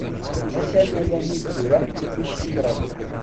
A-t-an alammi d tura i d-tekkreḍ.